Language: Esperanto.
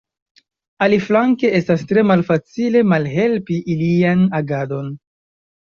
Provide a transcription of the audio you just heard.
Aliflanke, estas tre malfacile malhelpi ilian agadon.